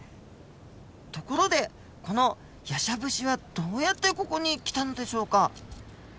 ところでこのヤシャブシはどうやってここに来たのでしょうか？